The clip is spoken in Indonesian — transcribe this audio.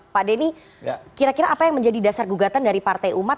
pak denny kira kira apa yang menjadi dasar gugatan dari partai umat